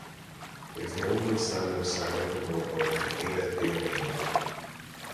He was the only son of Simon de Morville and Ada d’Engaine.